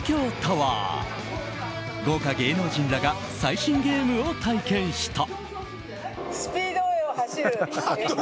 豪華芸能人らが最新ゲームを体験した。